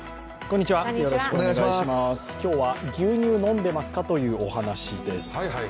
今日は牛乳、飲んでますか？というお話です。